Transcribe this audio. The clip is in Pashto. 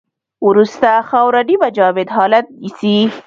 وروسته خاوره نیمه جامد حالت نیسي